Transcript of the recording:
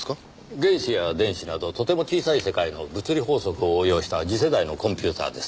原子や電子などとても小さい世界の物理法則を応用した次世代のコンピューターです。